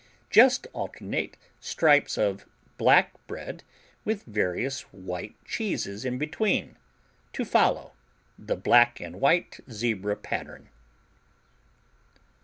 Just alternate stripes of black bread with various white cheeses in between, to follow, the black and white zebra pattern.